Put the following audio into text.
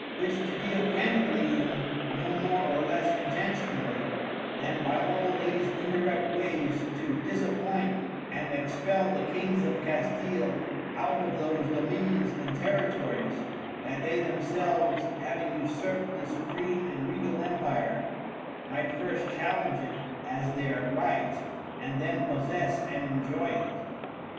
Which to deal candidly in no more or less intentionally, than by all these indirect wayes to disappoint and expel the Kings of Castile out of those Dominions and Territories, that they themselves having usurped the Supreme and Regal Empire, might first challenge it as their Right, and then possess and enjoy it.